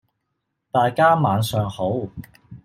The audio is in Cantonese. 大家晚上好！